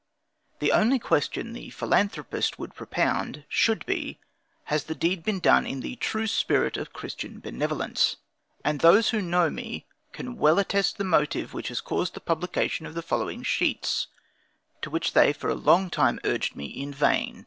The only question the philanthropist would propound, should be, has the deed been done in the true spirit of Christian benevolence? Those who know me, can well attest the motive which has caused the publication of the following sheets, to which they for a long time urged me in vain.